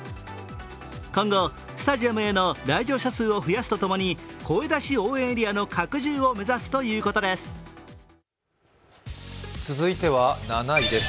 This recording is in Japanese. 今後、スタジアムへの来場者数を増やすとともに声出し応援エリアの拡充を目指すということです。